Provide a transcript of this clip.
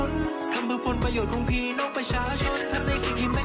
สร้างไทยเรามาจัดการทุกกันฮะเราจะสร้างหล่อยยิ้มในช่องเปิดช้าง